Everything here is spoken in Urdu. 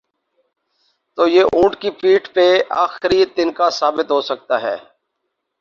تو یہ اونٹ کی پیٹھ پر آخری تنکا ثابت ہو سکتا ہے۔